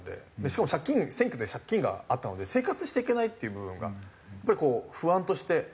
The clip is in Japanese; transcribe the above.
しかも借金選挙で借金があったので生活していけないっていう部分がやっぱりこう不安としてあるんでしょうね。